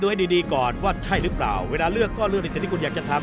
ให้ดีดีก่อนว่าใช่หรือเปล่าเวลาเลือกก็เลือกในสิ่งที่คุณอยากจะทำ